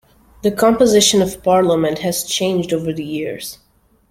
The composition of Parliament has changed over the years.